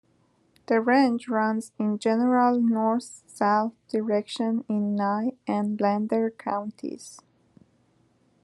The range runs in a general north-south direction in Nye and Lander counties.